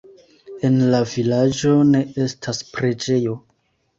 En la vilaĝo ne estas preĝejo.